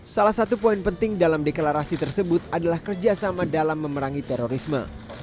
salah satu poin penting dalam deklarasi tersebut adalah kerjasama dalam memerangi terorisme